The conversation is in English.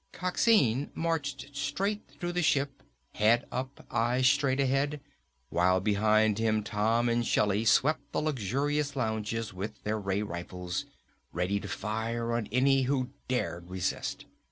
Coxine marched straight through the ship, head up, eyes straight ahead, while behind him, Tom and Shelly swept the luxurious lounges with their ray rifles, ready to fire on any who dared resist.